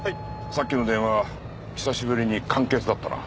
さっきの電話久しぶりに簡潔だったな。